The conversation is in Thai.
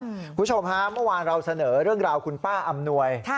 คุณผู้ชมฮะเมื่อวานเราเสนอเรื่องราวคุณป้าอำนวย